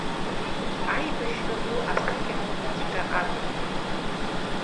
Аибашьра ду асакьаҳәымҭаҵәҟьа акәын.